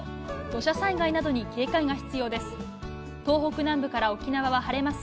土砂災害などに警戒が必要です。